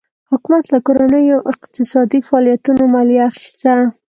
حکومت له کورنیو اقتصادي فعالیتونو مالیه اخیسته.